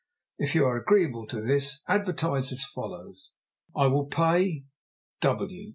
If you are agreeable to this, advertise as follows, 'I will Pay W.